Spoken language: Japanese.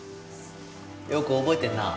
よく覚えてるな。